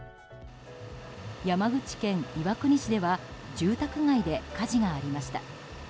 山口県岩国市では住宅街で火事がありました。